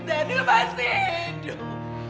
daniel masih hidup